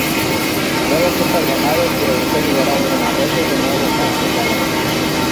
Luego fue perdonado y regresó liberado de Marruecos de nuevo a Alcalá.